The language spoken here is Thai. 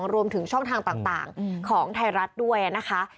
รวมถึงช่องทางต่างของไทยรัฐด้วยนะคะ